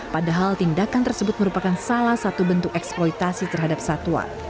padahal tindakan tersebut merupakan salah satu bentuk eksploitasi terhadap satwa